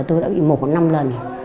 tôi đã bị một năm lần